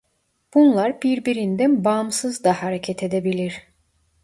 Bunlar birbirinden bağımsız da hareket edebilir.